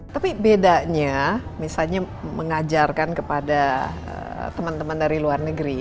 tapi bedanya misalnya mengajarkan kepada teman teman dari luar negeri